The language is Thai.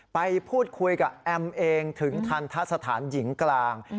ไปพูดคุยกับแอมเองถึงทันทะสถานหญิงกลาง